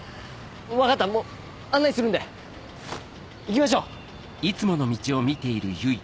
分かった案内するんで行きましょう！